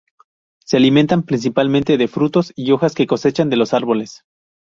Se alimentan principalmente de frutos y hojas que cosechan de los árboles.